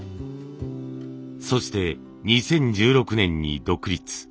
そして２０１６年に独立。